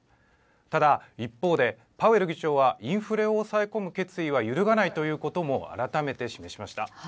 ただ、一方で、パウエル議長はインフレを抑え込む決意は揺るがないということも改めて示しました。